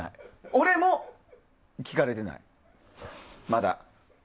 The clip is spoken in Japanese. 俺も聞かれてない、まだ。